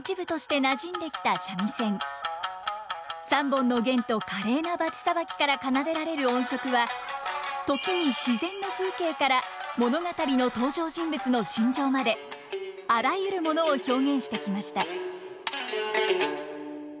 ３本の絃と華麗なバチさばきから奏でられる音色は時に自然の風景から物語の登場人物の心情まであらゆるものを表現してきました。